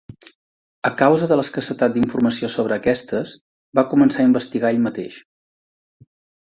A causa de l'escassetat d'informació sobre aquestes, va començar a investigar ell mateix.